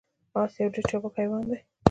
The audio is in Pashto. اس یو ډیر چابک حیوان دی